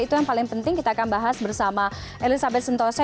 itu yang paling penting kita akan bahas bersama elizabeth sentosa